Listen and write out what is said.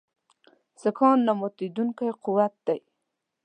سیکهان نه ماتېدونکی قوت دی.